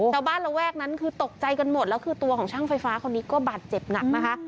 ระแวกนั้นคือตกใจกันหมดแล้วคือตัวของช่างไฟฟ้าคนนี้ก็บาดเจ็บหนักนะคะ